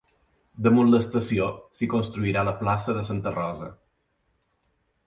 Damunt l'estació s'hi construirà la plaça de Santa Rosa.